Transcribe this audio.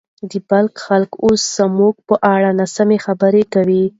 د بلاک خلک اوس زموږ په اړه ناسمې خبرې کوي.